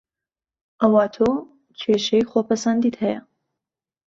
ئەوا تۆ کێشەی خۆ پەسەندیت هەیە